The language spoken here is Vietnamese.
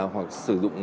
hoặc sử dụng